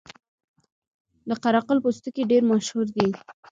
د قره قل پوستکي ډیر مشهور دي